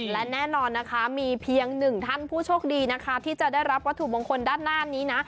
และแน่นอนนะคะมีเพียงหนึ่งท่านผู้โชคดีนะคะที่จะได้รับวัตถุมงคลด้านหน้านี้นะ